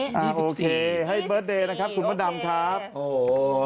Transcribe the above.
โอเคให้เบิร์ตเดย์นะครับคุณมดดำครับโอ้โห